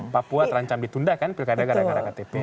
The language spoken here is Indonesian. papua terancam ditunda kan perkadangan agar agar ktp